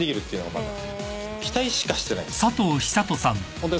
ホントに。